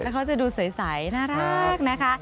เขาจะดูใสน่ารักนะคะ